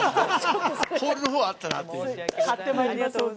ホールのほうはあったなって。